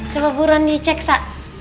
coba buruan dicek sa